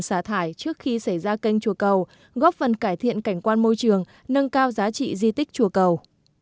xả thải trước khi xảy ra kênh chùa cầu góp phần cải thiện cảnh quan môi trường nâng cao giá trị di tích chùa cầu